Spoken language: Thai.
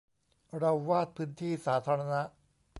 เราวาดพื้นที่สาธารณะ